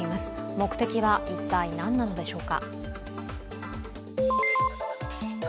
目的は一体何なのでしょうか。